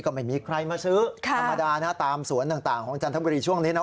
ก็ไม่มีใครมาซื้อธรรมดานะตามสวนต่างของจันทบุรีช่วงนี้นะ